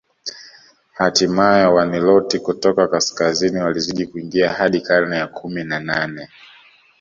Hatimae Waniloti kutoka kaskazini walizidi kuingia hadi karne ya kumi na nane